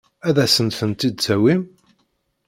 Ad asent-tent-id-tawim?